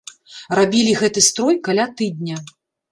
Рабілі гэты строй каля тыдня.